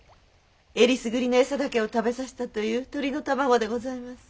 選りすぐりの餌だけを食べさせたという鶏の卵でございます。